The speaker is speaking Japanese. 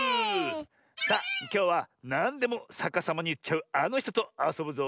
さあきょうはなんでもさかさまにいっちゃうあのひととあそぶぞ！